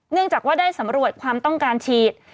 เนื่องจากว่าได้สำรวจความต้องการฉีด